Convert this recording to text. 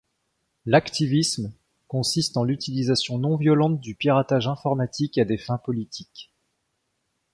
L’hacktivisme consiste en l’utilisation non violente du piratage informatique à des fins politiques.